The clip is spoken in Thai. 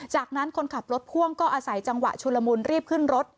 จากนั้นคนขับรถพ่วงก็อาศัยจังหวะชุลมุนรีบขึ้นรถ